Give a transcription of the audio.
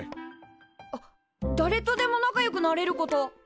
あっだれとでも仲良くなれること。